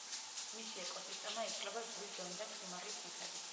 მისი ეკოსისტემა იცვლება ზღვის დონიდან სიმაღლის მიხედვით.